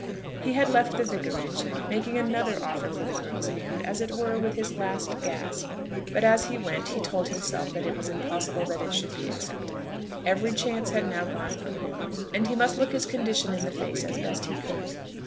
He had left the vicarage, making another offer for the girl's hand, as it were, with his last gasp. But as he went, he told himself that it was impossible that it should be accepted. Every chance had now gone from him, and he must look his condition in the face as best he could.